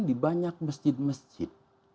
di banyak masjid masjid